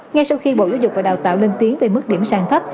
ngay sau khi bộ giáo dục và đào tạo lên tiếng về mức điểm sàng thấp